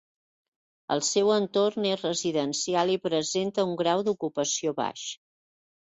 El seu entorn és residencial i presenta un grau d'ocupació baix.